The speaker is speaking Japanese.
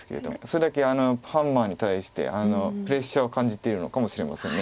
それだけハンマーに対してプレッシャーを感じているのかもしれません。